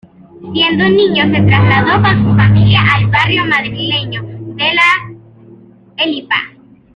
Siendo niño se trasladó con su familia al barrio madrileño de La Elipa.